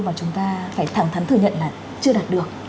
và chúng ta phải thẳng thắn thừa nhận là chưa đạt được